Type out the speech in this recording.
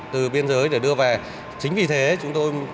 từ biên giới để đưa về chính vì thế chúng tôi